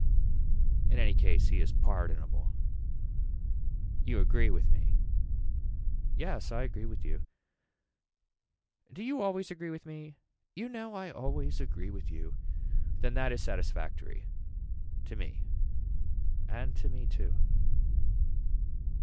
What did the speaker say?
In any case he is pardonable. You agree with me. Yes I agree with you. Do you always agree with me. You know I always agree with you. Then that is satisfactory. To me. And to me too.